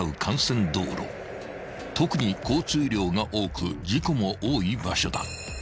［特に交通量が多く事故も多い場所だ］